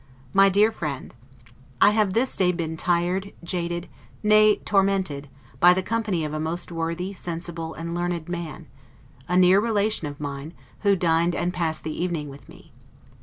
MY DEAR FRIEND: I have this day been tired, jaded, nay, tormented, by the company of a most worthy, sensible, and learned man, a near relation of mine, who dined and passed the evening with me.